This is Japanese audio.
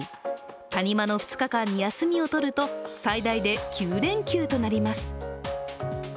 谷間の２日間に休みを取ると、最大で９連休となります。